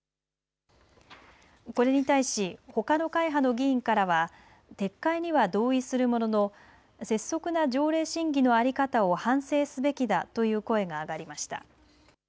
これに対し、ほかの会派の議員からは撤回には同意するものの拙速な条例審議の在り方を反省すべきだという声が上がりました。